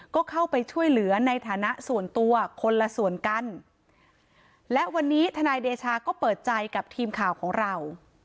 ก็เข้าไปช่วยเหลือในฐานะส่วนตัวคนละส่วนกันและวันนี้ทนายเดชาก็เปิดใจกับทีมข่าวของเรา